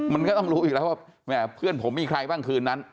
มันก็ต้องรู้อีกแล้วว่าแม่เพื่อนผมมีใครบ้างคืนนั้น